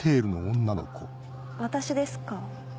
私ですか？